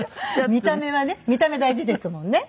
見た目はね見た目大事ですもんね。